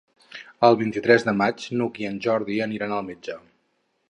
El vint-i-tres de maig n'Hug i en Jordi aniran al metge.